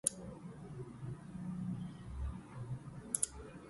It is based on a combination of common law, statutory law, and conventions.